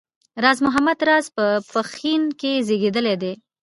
راز محمد راز په پښین کې زېږېدلی دی